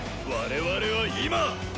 我々は今！